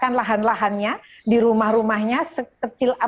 dengan lenyal juga masuk juga itu ini memang giliran